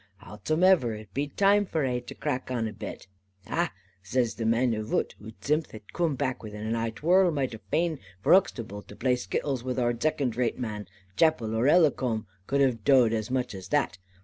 Howsomever, it be time for ai to crack on a bit. 'Ah,' zays the man avoot, who zimth had coom to back un, 'ah, 'twor arl mighty faine for Uxtable to play skittles with our zecond rate men. Chappell or Ellicombe cud have doed as much as that.